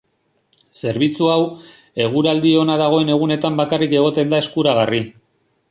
Zerbitzu hau, eguraldi ona dagoen egunetan bakarrik egoten da eskuragarri.